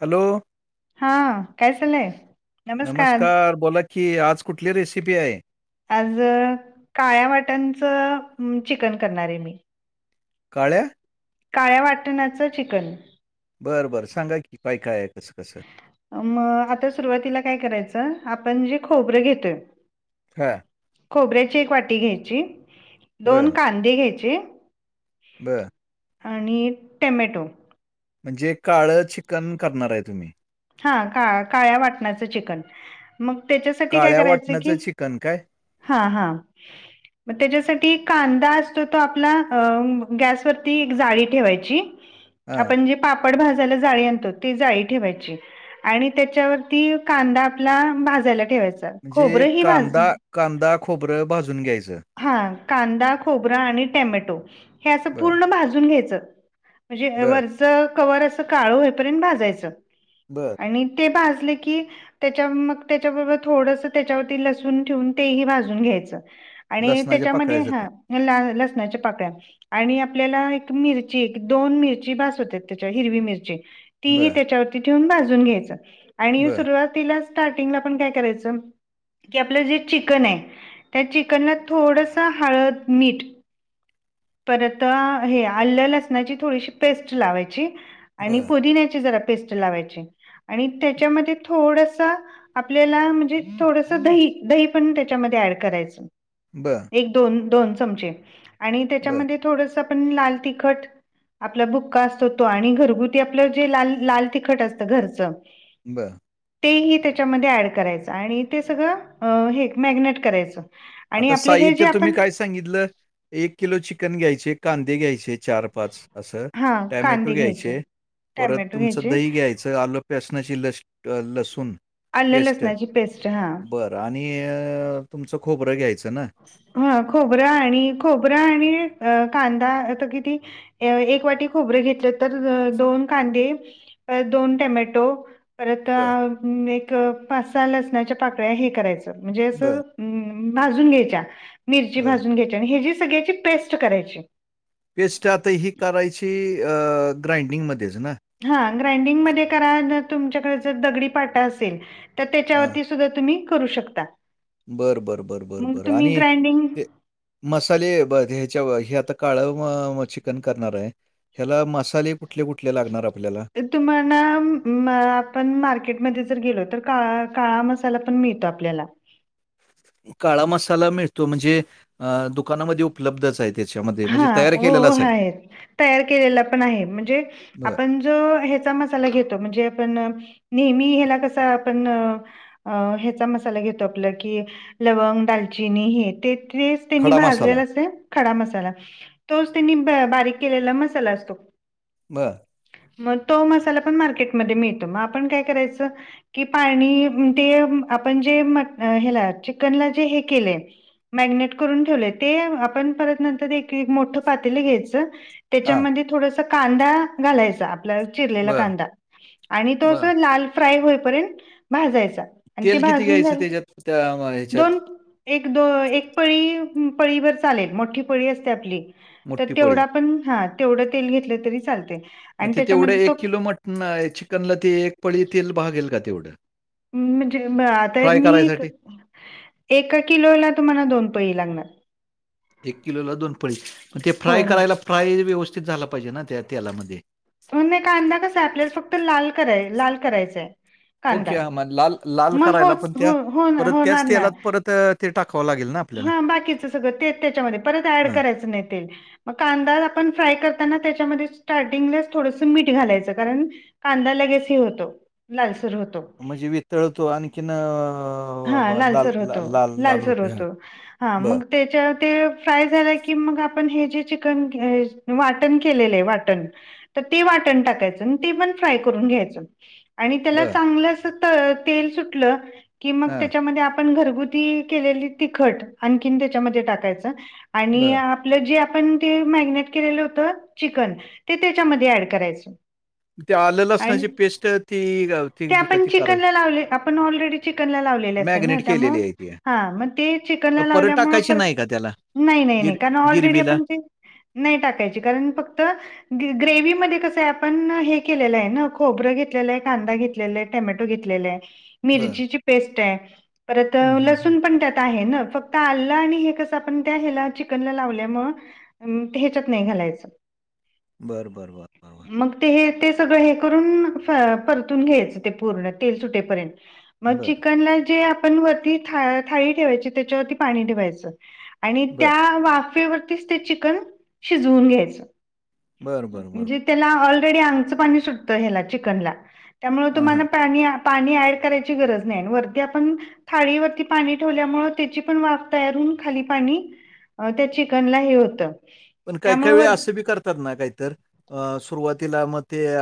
Hello हा काय चाललंय? नमस्कार बोला. की आज कुठली रेसिपी आहे. आज काळ्या वाटांचं चिकन करणार आहे मी. काळ्या. काळ्या वाटणाचं चिकन. बरं बरं सांगा की काय काय कसं कसं. मग आता सुरुवातीला काय करायचं आपण जे खोबरं घेतोय. हां, खोबऱ्याची एक वाटी घ्यायची दोन बरं, कांदे घ्यायचे. बरं. आणि टमॅटो. म्हणजे काळं चिकन करणार आहे तुम्ही. हा का काळ्या वाटणाचं चिकन मग त्याच्यासाठी काय काळ्या करायचं वाटणाचं की. चिकन काय? हा हा, मग त्याच्यासाठी कांदा असतो तो आपला अ गॅसवरती एक जाळी ठेवायची. हां. आपण जे पापड भाजायला जाळी आणतो ती जाळी ठेवायची. आणि त्याच्यावरती कांदा आपला भाजायला ठेवायचा म्हणजे खोबरं ही भाजून. कांदा कांदा खोबरं भाजून घ्यायचं. हा कांदा खोबरा आणि टॅमॅटो हे असं बरं, पूर्ण भाजून घ्यायचं. म्हणजे बरं, वरच कवर असं काळं हेपर्यंत भाजायचं बरं. आणि. ते भाजले की. त्याच्या मग त्याच्याबरोबर थोडस त्याच्यावरती लसून ठेवून तेही भाजून घ्यायचं. आणि लसणाच्या त्याच्यामध्ये पाकळ्या सकट. हा ला लसणाच्या पाकळ्या. आणि आपल्याला एक मिरची एक दोन मिरची भासवत त्याच्या हिरवी मिरची. तीही बरं, त्याच्यावरती ठेवून भाजून घ्यायचं आणि बरं, सुरुवात. तिला स्टार्टिंग ला पण काय करायचं की आपलं जे चिकन आहे त्या चिक''--'' ना थोडस हळद मीठ. परत हे आल्या लसणाची थोडीशी पेस्ट लावायची. आणि बरं, पुदिन्याचे जरा पेस्ट लावायची आणि त्याच्यामध्ये थोडसा. आपल्याला म्हणजे थोडस दही दही पण त्याच्यामध्ये ऍड करायचं. बरं. एक दोन दोन चमचे आणि बरं, त्याच्यामध्ये थोडस आपण लाल तिखट. आपला बुक्का असतो तो आणि घरगुती आपलं जे लाल लाल तिखट असतं घरचं. बर. तेही त्याच्यामध्ये ऍड करायचं आणि ते सगळं हे मॅगनेट करायचं. आणि आता आपले हे जे साहित्य तुम्ही आपण काय सा ''--'' सांगितलं एक किलो चिकन घ्यायचे कांदे घ्यायचे चार पाच. असं हा टॅमॅटो कांदे घ्यायचे परत टॅमॅटो तुमचं घ्यायचे दही घ्यायच. च आलं बेसनाचे लसुन लस लसूण आलं पेस्ट लसणाची पेस्ट हा बरं. आणि तुमचं खोबरं घ्यायचं ना. हा खोबरा आणि खोबरा आणि कांदाता आता किती. य एक वाटी खोबरे घेतलं तर दोन कांदे दोन टमॅटो. परत बरं, आ मी एक पाच सहा लसणाच्या पाकळ्या हे करायचं म्हणजे असं. बरं, अ भाजून घ्यायच्या मिरची बरं. भाजून घ्यायच्या आणि ह्याची सगळ्याची पेस्ट करायची. पेस्ट आता ही करायची ग्राइंडिंगमध्येच ना. हा ग्राइंडिंगमध्ये करा ना तुमच्याकडे जर दगडी पाटा असेल तर त्याच्यावर हां. सुधा. सगळं तुम्ही करू शकता. बरं बरं बरं बरं मग बरं तुम्ही आणि ग्राइंडिंग ते. मसाले बघ हे ह्याच्या हे आता काळं म चिकन करणार आहे. ह्याला मसाले कुठले कुठले लागणार आपल्याला. तुम्हाला मा आपण मार्केटमध्ये जर गेलो तर काळा काळा मसाला पण मिळतो आपल्याला. काळा मसाला मिळतो म्हणजे अ दुकानामध्ये उपलब्धच आहेत. हा हो हो आहेत तयार केलेला पण आहे म्हणजे बरं. आपण. तो हचा मसाला घेतो म्हणजे आपण नेहमी हला कसा आपण. अ ह्याचा मसाला घेतो आपलं की लवंग दालचिनी हे ते तेच. त्यांनी खडा मसाला. भाजलेला अस खडा मसाला तोच त्यांनी बारीक केलेला मसाला असतो. बर. मग तो मसाला पण मार्केटमध्ये मिळतो मग आपण काय करायचं. कि पाणी ते आपण जे म हेला चिकनला जे हे केलेय. मॅगिनेट करून ठेवलेय ते आपण परत नंतर एक. ते मोठ पात घ्यायच हां. त्याच्यामध्ये थोडस कांदा घालायच आप ''--'' आप चिरलेला बरं, कांदा आणि तो अस बरं. लाल फ्राय होईपर्यंत भाजायचा. आणि ते तेल किती भाजून घ्यायचं झालं त्याच्यात त्या वा ह्याच्यात. दोन एक दो एक पळी पळीवर चालेल मोठी पळी असते आपली. तर मोठी पळी? तेवढा पण हा तेवढं तेल घेतलं तरी चालते. मग आणि ते त्याच्यामध्ये तेवढं तो एक किलो मटन चिकनला ते एक पळी तेल भागेल का तेवढं. म्हणजे आता फ्राय मी करायसाठी एका किलोला तुम्हाला दोन पळी लागणार. एक किलोला दोन फळी पण ते हो फ्राय करायला हो फ्राय व्यवस्थित झाला पाहिजे ना त्या तेलामध्ये. म्हणे कांदा कस आपल्याला फक्त लाल कराय लाल करायचंय. ओके ह म लाल लाल करायला होत पण हो त्या हो परत होणार त्याच ना तेलात परत ते टाकावं लागेल ना. आपल्याला? हा बाकीच सगळं तेच त्याच्यामध्ये परत ऍड हां. करायचं नाही तेल. मग कांदा आपण फ्राय करताना त्याच्यामध्ये स्टार्टिंगला. थोडस मीठ घालायचं कारण कांदा लगेच हे होतो लालसूर होतो. म्हणजे वितळतो आणखीन अ व लाल लाल लाल होत. त हा मग त्याच्या ते फ्राय झालं की मग आपण हे जे चिकन अ वाटण केलेलंये वाटण तर ते वाटण टाकायचं आणि ते पण फ्राय करून घ्यायचं आणि त्याला बरं. चांगलं असं त तेल सुटलं कि मग हां, त्याच्या मध्ये आप पण घरगुती केलेली तिखट आणखीन त्याच्यामध्ये टाकायच आणि बरं. आपलं जे आपण ते मॅगिनेट केलेलं होत चिकन ते तेच्यामध्ये ऍड करायचं. ते आलं अन् लसणाची पेस्ट ती अ, ती ते बी- आपण ती कराय चिकनला लावले आपण ऑलरेडी चिकन ला लावले असत्या मॅग्नेट न केलेली आहे ती. हा मग ते चिकन अ, परत लावल्या मुळं टाकायची परत नाही का त्याला नाही नाही नाही गिर कारण ऑलरेडी गिरवीला? आपण ते नाही टाकायची कारण फक्त ग ग्रेव्ही मध्ये कसं आहे आपण हे केलेलं आहे ना खोबरं घेतलेलं आहे कांदा घेत लेले टमॅटो घेतलेले बरं. मिरचीची पेस्ट आहे परत हं, हं, हं. लसूण पण त्यात आहे ना फक्त ता आललं आणि हे कसं आपण त्या ह्याला चिकनला लावल्यामु ह्याच्यात नाही घालायचं बरं बर बर. मग ते हे ते सगळं हे करून परतून घ्यायचं ते पूर्ण तेल सुटेपर्यंत. ह. मग बरं. चिकनला जे आपण वरती था थाळी ठेवायची त्याच्यावरती पाणी ठेवायचं. आणि त्या वाफेवरतीच ते चिकन शिजवून घ्यायचं. बरं, बरं, बरं, बरं. म्हणजे त्याला ऑलरेडी अंगचं पाणी सुटतं ह्याला चिकनला त्यामुळे हां, हां. तुम्हाला पाणी पाणी ऍड करायची गरज नाही अन् वरती आपण थाळीवरती पाणी ठेवल्यामुळं त्याची पण वाफ तयार होऊन खाली पाणी अ त्या चिकनला हे होतं. पण काही त्यामुळे काही वेळ वर असं बी करतात ना काहीतर अ सुरुवातीला म ते अ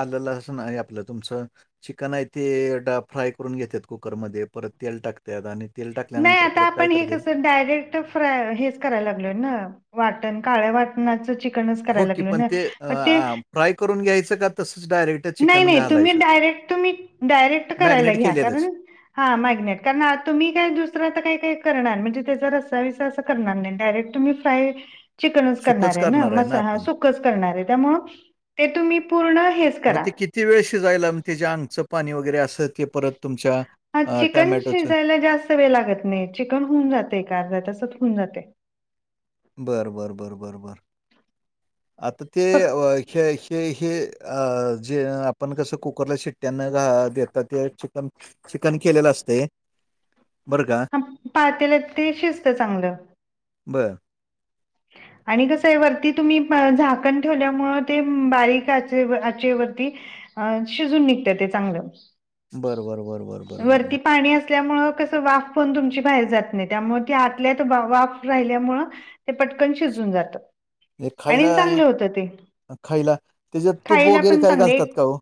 आल्ल लसूण हे आपलं तुमचं चिकन आहे ते ड फ्राय करून घेतात कुकरमध्ये परत तेल टाकतात आणि तेल नाही टाकल्यानंतर आता परत काय आपण हे करतात कसं डायरेक्ट फ्रा हेच कराय लागलोय ना वाटण काळ वाट नाच चिकनच हो करायला की लागल पण ना ते अ, म ते अ, फ्राय करून घ्यायचं का तसंच डायरेक्ट नाही चिकन नाही तुम्ही घालायचं? डायरेक्ट तुम्ही डायरेक्ट करायला मॅरिनेट घ्या केलेलंच. कारण हा मॅग्नेट कारण आ तुम्ही दुसर आता काही काही करणार म्हणजे त्याचा रस्सा विस्सा अस करणार नाही डायरेक्ट तुम्ही फ्राय चिकनच करणार आहे ना मसा ह सुकच करणार आहे त्यामु ते तुम्ही पूर्ण हेच मग करा ते किती वेळ शिजायला म तेज्या अंगचं पाणी वगैरे असं ते परत तुमच्या हा अ, चिकन टोमॅटोचं शिजायला जास्त वेळ लागत नाही चिकन होऊन जाते अर्धा तसच होऊन जाते. बरं बरं बरं बरं बरं. आता ते फक्त [unintelligible] ह अ जे आपण कसं कुकरला शिट्ट्यांना घ देतात ते चिकन चिकन केलेलं असतय बर का. हा पातेल्यात ते शिजतं चांगलं. बरं. आणि कसं आहे वरती तुम्ही झाकण ठेवल्यामु ते बारीक आचे आचेवरती अ शिजून निघत ते चांगलं बरं, बरं, बरं, बरं, बरं, बरं, वरती बरं. पाणी असल्यामुळे कस वाफ पण तुमची बाहेर जात नाही त्यामुळे त आतल्या तर वाफ राहिल्यामुळ. ते पटकन शिजून जातं. हे खायला आणि चांगलं एक होत ते. खायला त्याच्यात तूप खायला वगैरे पण काय चांगले घालतात एक का हो?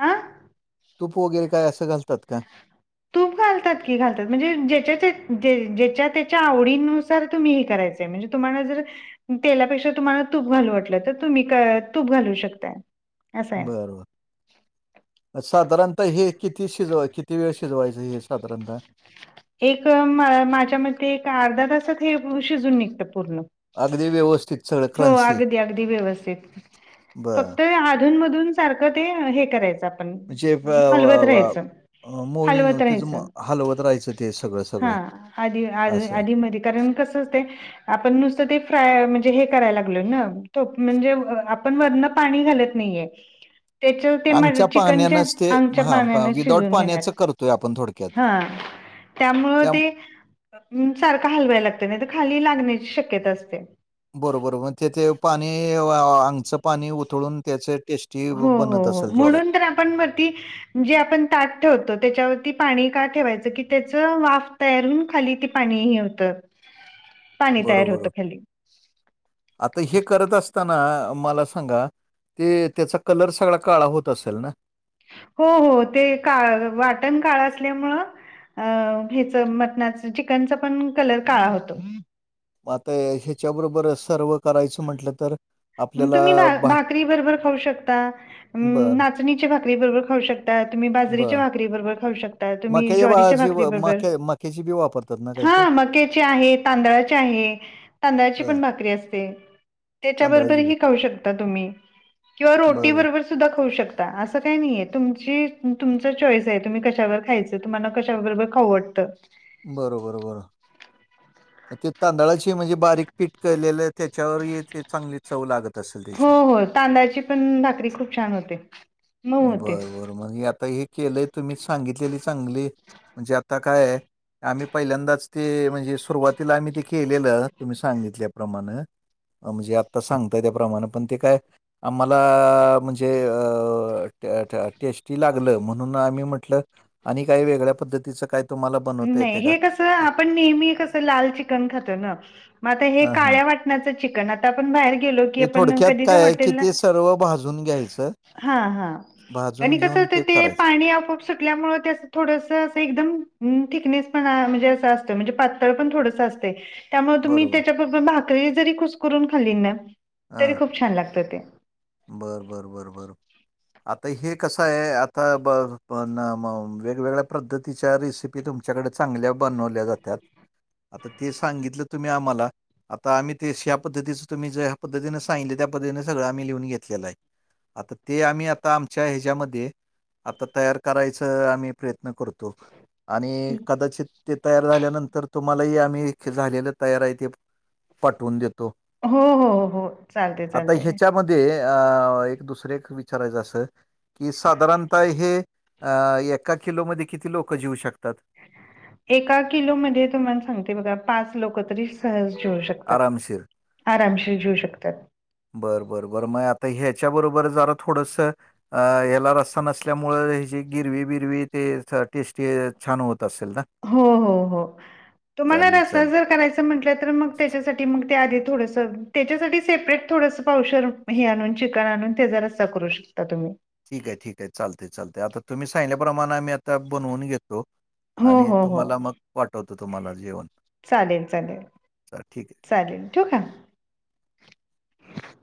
हा. तूप वगैरे काय असं घालतात का? तूप घालतात की, घालतात. म्हणजे ज्याच्या ज्याच्या त्याच्या आवडीनुसार तुम्ही हे करायच. म्हणजे तुम्हाला जर, तेलापेक्षा तुम्हाला तूप घालू वाटलं तर, तुम्ही का तूप घालू शकताय. असं आहे बरं बर. साधारणतः हे किती शिजवाय किती वेळ शिजवायचं हे साधारणत? एक माझ्या मते एक अर्धा तासात हे शिजून निघत पूर्ण अगदी व्यवस्थित सगळं हो क्रंची. अगदी अगदी व्यवथित बरं. फक्त अधून मधून सारखं ते हे करायचं आपण म्हणजे व व हलवत राहायचं. व मुविंग हलवत त्याच राहायचं हलवत राहायचं. ते सगळं, हा सगळं आधी आ असं. आधी मधी कारण कस होतय. आपण नुसतं ते फ्राय म्हणजे हे करायला लागलोय ना. तूप म्हणजे आपण वरण पाणी घालत नाहीये. [unintelligible] त्याच ते मन अंगच्या चिकनच्या पाण्यानंच ते अंगच्या हां पाण्याने विदाऊट शिजून घेणार पाण्याचं करतोय आपण थोडक्यात. हा. त्यामुळं त्या ते सारखं हलवायला लागत. नाही तर खाली लागण्याची शक्यता असते. बरोबर म तेथ ते पाणी आंगचं पाणी उथळून त्याचे टेस्टी हो हो बनत हो असेल जोरात. म्हणून तर आपण वरती, जे आपण ताठ ठेवतो. त्याच्यावरती पाणी का ठेवायचं की त्याच वाफ तयार होवून खाली ते पाणी हे होत. बरोबर. आता हे करत असताना मला सांगा? ते त्याचा कलर सगळा काळा होत असेल ना. हो हो ते काळ वाटण काळ असल्यामुळं, अ हेच मटनाच चिकनचा पण कलर काळा होतो. मग आता ह्याच्याबरोबर सर्व करायचं म्हंटलं तर, म तुम्ही भा भाकरी बरोबर खाऊ शकता. बरं नाचणीचे भाकरी बरोबर खाऊ शक ता. तुम्ही बाजरीच्या बरं भाकरी बरोबर खाऊ शकता. तुम्ही मक्याच्या ज्वारीच्या बाळाची भाकरी बरोबर मक्या मक्याची बी वापरतात ना काहीतर? हा मक्याची आहे, तांदळाची आहे, तांदळाची हं पण भाकरी असते. त्याच्याबरोबर तांदळाची बी ही खाऊ शकता तुम्ही, किंवा रोटी बरोबर सुद्धा खाऊ शकता. असं काही नाही तुमची तुमचा चॉईस आहे तुम्ही कशावर खायच. तुम्हाला कशा बरोबर खाऊ वाटत. बरोबर बरं. ते तांदळाची म्हणजे बारीक पीठ केलेलं आहे. त्याच्यावर येते चांगली चव लागत असेल. हो त्याची. हो तांदळाची पण भाकरी खूप छान होते. मऊ होते. बरं बर म्हणजे आता हे केलंय तुम्ही सांगितलेली चांगली म्हणजे आता काय आहे. आम्ही पहिल्यांदाच ते म्हणजे सुरुवातीला आम्ही ते केलेलं तुम्ही सांगितल्याप्रमाणे, म्हणजे आत्ता सांगतय त्याप्रमाणे पण ते काय आम्हाला म्हणजे अ ट ट टेस्टी लागल. म्हणून आम्ही म्हटलं आणि काही वेगळ्या पद्धतीच काय तुम्हाला बनवता नाही येते का? हे कस ह आपण नेहमी कस लाल चिकन खातो ना. मग आता हे हा काळ्या वाट णाच चिकन. आता आपण बाहेर गेलो की, हे आपण थोडक्यात कधीतर काय आहे की हॉटेल न ते सर्व भाजून घ्यायचं हा हा आणि भाजून कसं घेऊन होत ते करायचं पाणी आपोप सुटल्यामुळ ते अस थोडस अस एकदम हम थिकनेस पना म्हणजे असं असतं म्हणजे पातळ पण थोडस असतय त्यामुळे, तुम्ही त्याच्यात बरोबर भाकरी जरी कुसकरुून खाली ना तरी खूप छान लागत ते. बरं बरं बरं बरं. आता हे कसं आहे आता ब प वेगवेगळ्या पद्धतीच्या रेसिपी तुम च्याकडे चांगल्या बनवल्या जात्यात आता ते सांगितलं तुम्ही आम्हाला. आता आम्ही तेश पद्धतीचं तुम्ही्या पद्धतीने सांगितले त्या पद्धने सळं आम्ही लिहून घे केलं आहे आता ते आम्ही आता आमच्या ह्याच्यामध्ये आता तयार करायच आम्ही प्रयत्न करतो. आणि कदाचित ते तयार झाल्यानंतर तुम्हालाही आम्ही झालेलं तयार आहे ते पाटवून देतो. हो हो हो चालते चालते. ते अ एक दुसरे विचारायचं अस कि साधारणतः हे अ एका किलोमध्येध्ये किती लोकं जिऊ शकतात. एका किलो मध्ये तुम्हाला सांगते बघा पाच लोक तरी सहज जेऊू शक आरामशीर. आरामशी जेऊ शकतात. बरं बरं बरं म आता ह्याच्या बरोबर जरा थोडस अ ह्याला रस्सा नसल्यामुळे हची गिरवी बिरवी ते टेस्टी छान होत असेल ना? हो हो हो तुम्हाला चालेल, रस्सा चालेल. जर करायच म्हटलं तर मग त्याच्यासाठी मग ते आधी थोडस त्याच्यासाठी सेपरेट थोडस पावशर म हे आणून चिकन आणून तेजा रस्सा करू शकता तुम्ही. ठीक आहे ठीक आहे चालय चालय आता तुम्ही सांगल्या प्रमाणे आम्ही आता बनवून घेतो हो आणि हो हो तुम्हाला मग पाठवतो तुम्हाला जेवण. चालेल चालेल. चा ठीक आहे. चालेल ठेउ का?